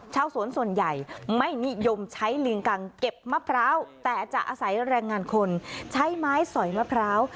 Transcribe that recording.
ชาวสวนส่วนใหญ่ไม่นิยมใช้ลิงกังเก็บมะพร้าวแต่จะอาศัยแรงงานคนใช้ไม้สอยมะพร้าว